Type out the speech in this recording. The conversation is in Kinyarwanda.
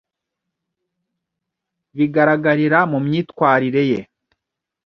bigaragarira mu myitwarire ye,